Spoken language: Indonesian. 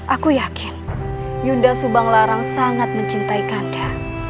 aku yakin yunda subanglarang sangat mencintai kanda